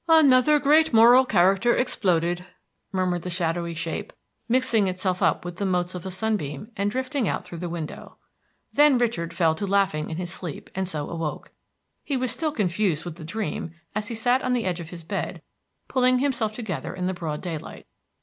"Another great moral character exploded," murmured the shadowy shape, mixing itself up with the motes of a sunbeam and drifting out through the window. Then Richard fell to laughing in his sleep, and so awoke. He was still confused with the dream as he sat on the edge of his bed, pulling himself together in the broad daylight.